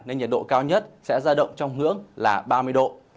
nên nhiệt độ cao nhất sẽ ra động trong ngưỡng là ba mươi độ